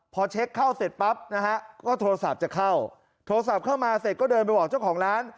พอเช็คเข้าเสร็จปั๊บนะฮะก็โทรศัพท์จะเข้าโทรศัพท์เข้ามาเสร็จก็เดินไปบอกเจ้าของร้าน